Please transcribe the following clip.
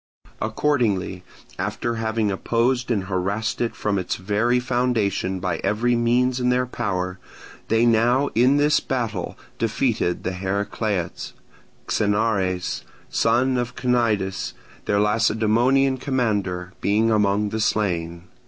Accordingly, after having opposed and harassed it from its very foundation by every means in their power, they now in this battle defeated the Heracleots, Xenares, son of Cnidis, their Lacedaemonian commander, being among the slain.